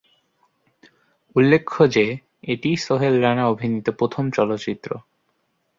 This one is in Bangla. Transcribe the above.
উল্লেখ্য যে এটিই সোহেল রানা অভিনীত প্রথম চলচ্চিত্র।